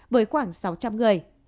với khoảng sáu trăm linh người